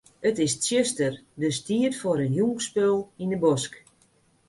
It is tsjuster, dus tiid foar in jûnsspul yn 'e bosk.